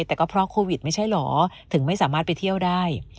แต่ก็เพราะโควิดไม่ใช่เหรอถึงไม่สามารถไปเที่ยวได้